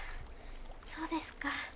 そうですか。